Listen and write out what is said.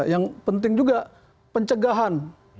yang penting juga pencegahan